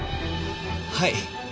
はい。